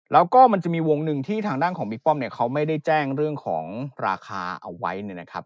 แล้วก็มันจะมีวงหนึ่งที่ทางด้านของบิ๊กป้อมเนี่ยเขาไม่ได้แจ้งเรื่องของราคาเอาไว้เนี่ยนะครับ